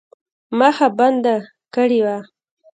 مخه بنده کړې وه.